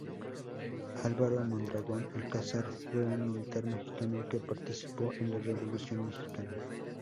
Álvaro Mondragón Alcázar fue un militar mexicano que participó en la Revolución mexicana.